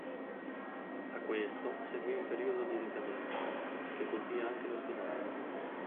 A questo, seguì un periodo di decadenza, che colpì anche l'ospedale.